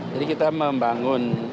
jadi kita membangun